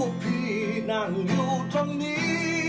อยากให้รู้พี่นั่งอยู่ตรงนี้